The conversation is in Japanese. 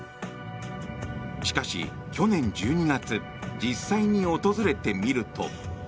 しかし去年１２月実際に訪れてみると。